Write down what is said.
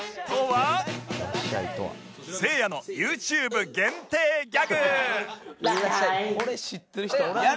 せいやの ＹｏｕＴｕｂｅ 限定ギャグ